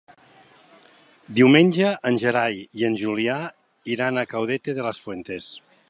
Diumenge en Gerai i en Julià iran a Caudete de las Fuentes.